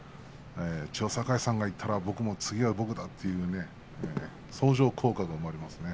千代栄さんがいったら次は僕もという相乗効果が生まれますね。